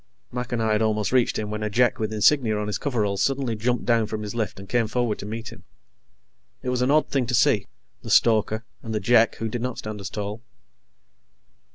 Mac and I had almost reached him when a Jek with insignia on his coveralls suddenly jumped down from his lift and came forward to meet him. It was an odd thing to see the stoker, and the Jek, who did not stand as tall.